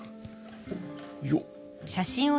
よっ。